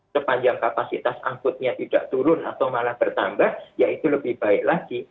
sepanjang kapasitas angkutnya tidak turun atau malah bertambah ya itu lebih baik lagi